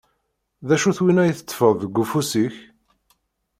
D acu-t winna i teṭṭfeḍ deg ufus-ik?